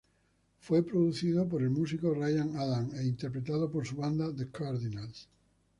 Fue producido por el músico Ryan Adams e interpretado por su banda, The Cardinals.